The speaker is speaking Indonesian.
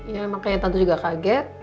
ya makanya tante juga kaget